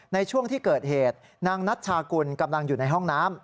ในช่วงที่เกิดเหตุนางนัชชากุลกำลังอยู่ในห้องน้ำ